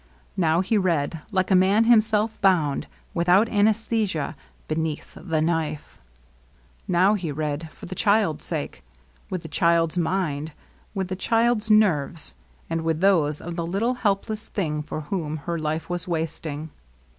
Now he read like a man himself bound, without anaesthesia, be neath the knife. Now he read for the child's sake, 24 LOVELINESS. with the child's mind, with the child's nerves, and with those of the little helpless thing for whom her life was wasting.